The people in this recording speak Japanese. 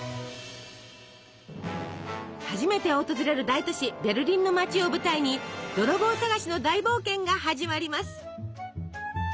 初めて訪れる大都市ベルリンの街を舞台に泥棒捜しの大冒険が始まります。